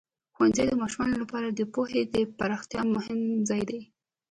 ښوونځی د ماشومانو لپاره د پوهې د پراختیا مهم ځای دی.